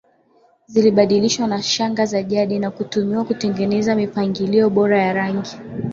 zilibadilishwa na shanga za jadi na kutumiwa kutengeneza mipangilio bora ya rangi